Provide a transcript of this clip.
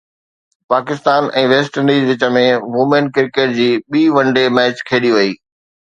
Pakistan ۽ West Indies وچ ۾ women cricket جي ٻي ون ڊي ميچ کيڏي وئي